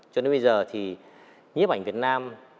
cho đến bây giờ thì nhấp ảnh việt nam